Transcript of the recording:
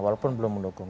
walaupun belum mendukung